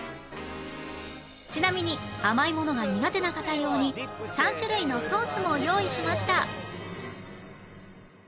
ちなみに甘いものが苦手な方用に３種類のソースも用意しました